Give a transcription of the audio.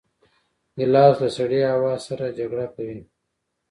ګیلاس له سړې هوا سره جګړه کوي.